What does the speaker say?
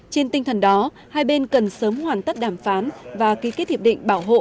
trên tinh thần đó hai bên cần sớm hoàn tất đàm phán và ký kết hiệp định bảo hộ